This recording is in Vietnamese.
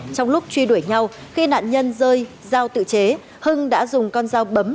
trong lúc truy đuổi nhau khi nạn nhân rơi dao tự chế hưng đã dùng con dao bấm